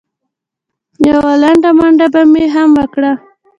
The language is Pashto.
یوه لنډه منډه به مې هم وکړه.